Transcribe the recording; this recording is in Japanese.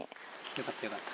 よかったよかった。